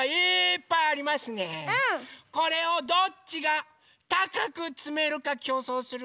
これをどっちがたかくつめるかきょうそうする？